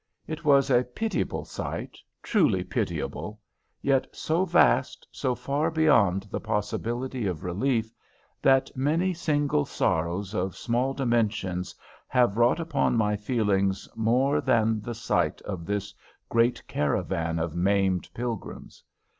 It was a pitiable sight, truly pitiable, yet so vast, so far beyond the possibility of relief, that many single sorrows of small dimensions have wrought upon my feelings more than the sight of this great caravan of maimed pilgrims.